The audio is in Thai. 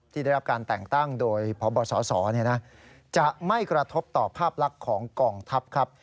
ที่ได้รับการแต่งตั้งโดยพบสสจะไม่กระทบต่อภาพลักษณ์ของกองทัพครับ